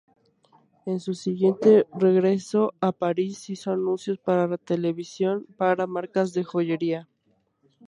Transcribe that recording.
En su siguiente regreso a París, hizo anuncios para televisión para marcas de joyería.